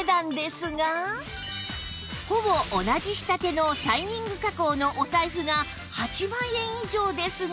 ほぼ同じ仕立てのシャイニング加工のお財布が８万円以上ですが